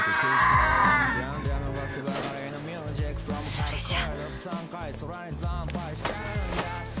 それじゃあ。